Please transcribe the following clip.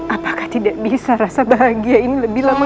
apakah tidak bisa rasa bahagia ini lebih lama